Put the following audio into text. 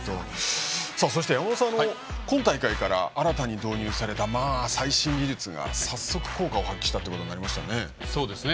そして山本さん、今大会から新たに導入された最新技術が早速効果を発揮しましたね。